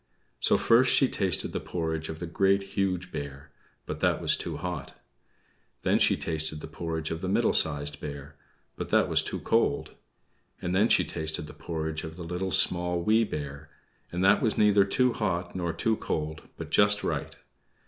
So first she tasted the porridge of the Great, Huge Bear, but that was too hot. Then she tasted the porridge of the Middle Sized Bear, but that was too cold. And then she tasted the porridge of the Little, Small, Wee Bear, and that was neither too hot nor too cold, but just right.